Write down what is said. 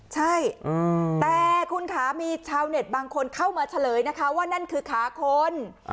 ใช่แต่คุณคะมีชาวเน็ตบางคนเข้ามาเฉลยนะคะว่านั่นคือขาคน